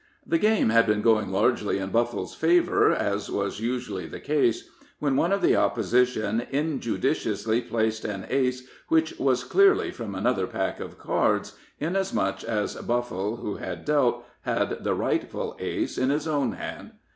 The game had been going largely in Buffle's favor, as was usually the case, when one of the opposition injudiciously played an ace which was clearly from another pack of cards, inasmuch as Buffle, who had dealt, had the rightful ace in his own hand.